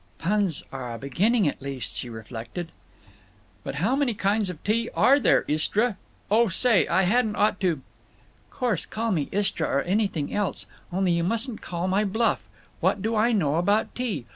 "Puns are a beginning at least," she reflected. "But how many kinds of tea are there, Istra?… Oh say, I hadn't ought to—" "Course; call me Istra or anything else. Only, you mustn't call my bluff. What do I know about tea?